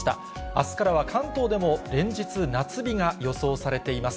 あすからは関東でも連日、夏日が予想されています。